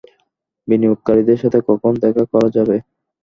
বিনিয়োগকারীদের সাথে কখন দেখা করা যাবে?